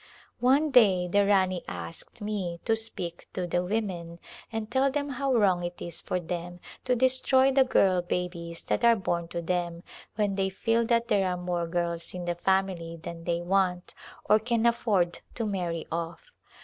One day the Rani asked me to speak to the women and tell them how wrong it is for them to destroy the girl babies that are born to them, when they feel that there are more girls in the family than they want or can afford to marry off.